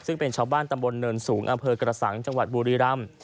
ซึ่งเป็นชาวบ้านตำบลเนินสูงอำเภอกระสังจังหวัดบุรีรำ